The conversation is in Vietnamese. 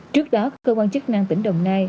trước đó cơ quan chức năng tỉnh đồng nai